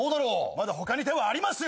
まだ他に手はありますよ。